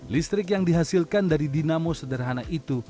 listrik yang dihasilkan dari dinamo sederhana itu